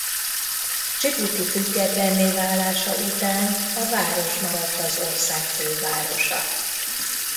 Dzsibuti függetlenné válása után a város maradt az ország fővárosa.